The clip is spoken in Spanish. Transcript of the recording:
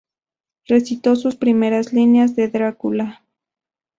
Recitó sus primeras líneas de "Drácula".